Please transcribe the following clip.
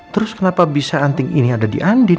terus kenapa bisa anting ini ada di andir